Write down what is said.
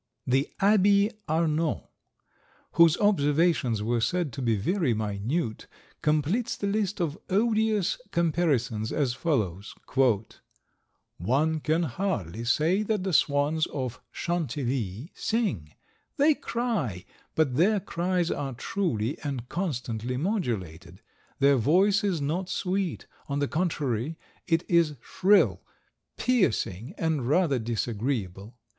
The Abbe Arnaud, whose observations were said to be very minute, completes the list of odious comparisons as follows: "One can hardly say that the swans of Chantilly sing; they cry, but their cries are truly and constantly modulated; their voice is not sweet; on the contrary, it is shrill, piercing, and rather disagreeable.